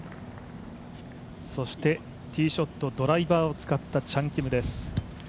そしてティーショットドライバーを使ったチャン・キムです。